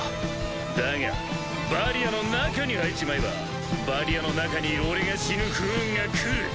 だがバリアの中に入っちまえばバリアの中にいる俺が死ぬ不運がくる。